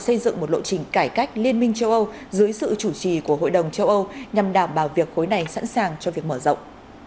xây dựng một lộ trình cải cách liên minh châu âu dưới sự chủ trì của hội đồng châu âu nhằm đảm bảo việc khối này sẵn sàng cho việc mở rộng